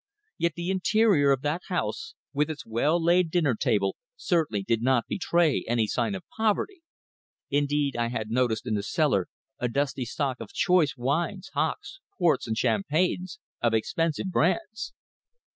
Yet the interior of that house, with its well laid dinner table, certainly did not betray any sign of poverty. Indeed, I had noticed in the cellar a dusty stock of choice wines, hocks, ports, and champagnes of expensive brands.